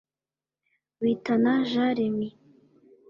Bitana Jean Remy